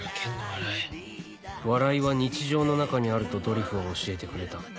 笑いは日常の中にあるとドリフは教えてくれた